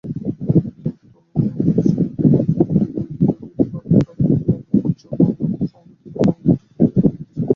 কিন্তু অনুগ্রহপালিত বলিয়া একটি কুণ্ঠিত ভীরু ভাবে তাহার নবযৌবনারম্ভকে সংযত সংবৃত করিয়া রাখিয়াছে।